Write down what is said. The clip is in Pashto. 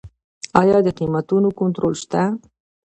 آیا د قیمتونو کنټرول شته؟